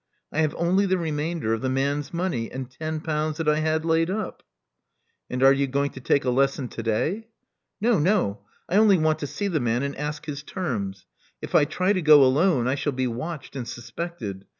I have only the remainder of the man's money, and ten pounds that I had laid up." And are you going to take a lesson to day?" No, no. I only want to see the man and ask his terms. If I try to go alone, I shall be watched and suspected.